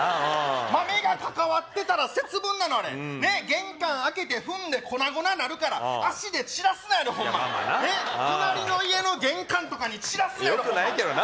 豆が関わってたら節分なのあれねっ玄関開けて踏んで粉々なるから足で散らすのやろ隣の家の玄関とかに散らすやろ良くないけどな